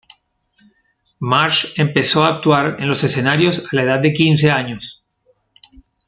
Marsh empezó a actuar en los escenarios a la edad de quince años.